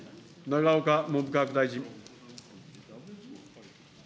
永岡文部科学大臣。